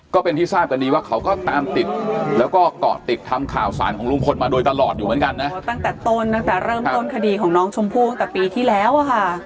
ก็เป็นที่ทราบกันดีว่าเขาก็ตามติดแล้วก็เกาะติดทำข่าวสารของลุงพลมาโดยตลอดอยู่เหมือนกันนะเขาตั้งแต่ต้นตั้งแต่เริ่มต้นคดีของน้องชมพู่ตั้งแต่ปีที่แล้วอ่ะค่ะ